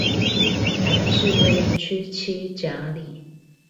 臺南市歸仁區七甲里